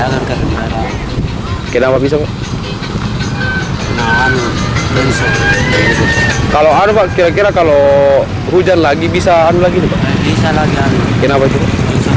kenapa bisa kalau kira kalau hujan lagi bisa lagi bisa lagi kenapa bisa bisa